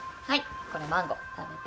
はいこれマンゴー。